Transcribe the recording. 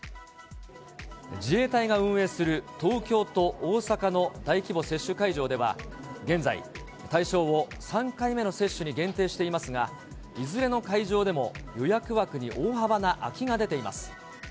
自衛隊が運営する東京と大阪の大規模接種会場では、現在、対象を３回目の接種に限定していますが、いずれの会場でも予約枠に大幅な空きが出ています。